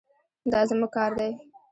دا زموږ کار دی.